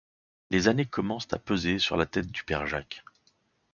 Les années commencent à peser sur la tête du père Jacques.